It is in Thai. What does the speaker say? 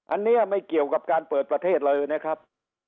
อันนี้ไม่เกี่ยวกับการเปิดประเทศเลยนะครับ